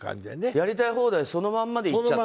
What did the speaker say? やりたい放題そのままでいっちゃった？